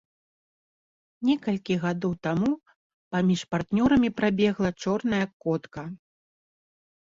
Некалькі гадоў таму паміж партнёрамі прабегла чорная котка.